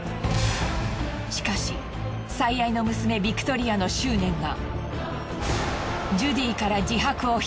しかし最愛の娘ビクトリアの執念が。